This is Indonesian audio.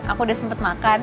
aku sudah sempat makan